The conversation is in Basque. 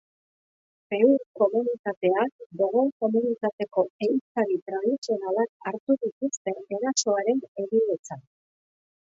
Peul komunitateak, dogon komunitateko ehiztari tradizionalak hartu dituzte erasoaren egiletzat.